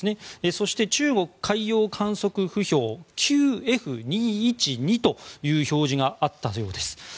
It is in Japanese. そして中国海洋観測浮標ＱＦ２１２という表示があったようです。